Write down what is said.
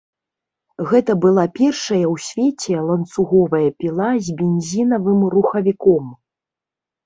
Гэта была першая ў свеце ланцуговая піла з бензінавым рухавіком.